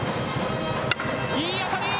いい当たり！